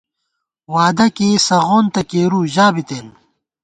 وعدہ کېئی سغون تہ کېرُو ژا بِتېن